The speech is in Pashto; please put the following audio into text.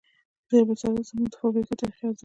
د جبل السراج د سمنټو فابریکه تاریخي ارزښت لري.